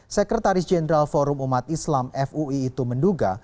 sekretaris jenderal forum umat islam fui itu menduga